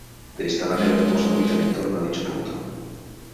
De esta manera ambos orbitan en torno a dicho punto.